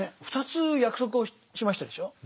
２つ約束をしましたでしょう。